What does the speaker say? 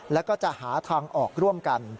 แล้วก็จะหาทางออกร่วมกัน